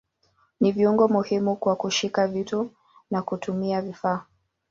Ni viungo muhimu kwa kushika vitu na kutumia vifaa.